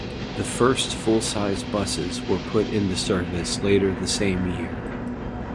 The first full-size buses were put into service later the same year.